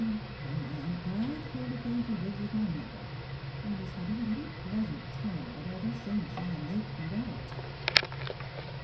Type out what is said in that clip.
When my aunt died, Hilda came to live with my mother, and has had a very pleasant time of it ever since, I make no doubt."